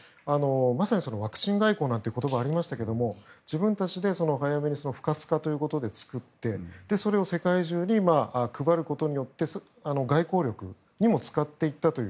まさにワクチン外交なんて言葉がありましたけど自分たちで早めに不活化ということで作ってそれを世界中に配ることによって外交力にも使っていったという。